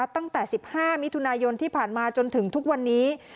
ตั้งแต่๑๕มิถุนายนที่ผ่านมาจนถึงทุกวันนี้